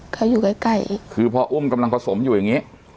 เขาอยู่ใกล้ใกล้คือพออุ้มกำลังผสมอยู่อย่างนี้